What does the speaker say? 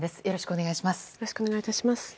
よろしくお願いします。